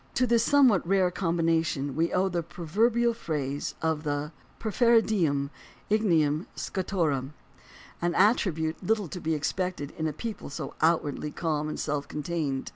To this somewhat rare combination we owe the proverbial phrase of the "perfervidum inge nium Scotorum," an attribute little to be expected in a people so outwardly calm and self contained.